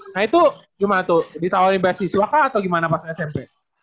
nah itu gimana tuh ditawarin beasiswa kah atau gimana pas smp